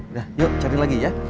udah yuk cari lagi ya